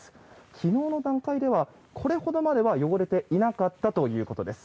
昨日の段階ではこれほどまでは汚れていなかったということです。